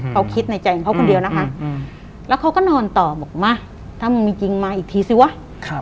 เขาคิดในใจของเขาคนเดียวนะคะแล้วเขาก็นอนต่อบอกมาถ้ามึงมีจริงมาอีกทีสิวะ